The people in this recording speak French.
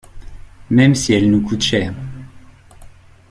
Même si elle nous coûte cher.